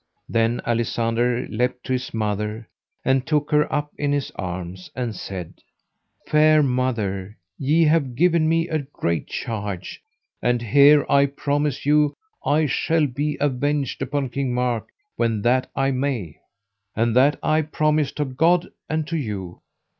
Then Alisander leapt to his mother, and took her up in his arms, and said: Fair mother, ye have given me a great charge, and here I promise you I shall be avenged upon King Mark when that I may; and that I promise to God and to you.